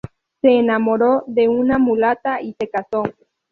Se enamoró de una mulata y se casó.